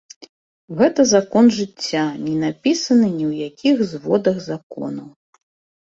Гэта закон жыцця, не напісаны ні ў якіх зводах законаў.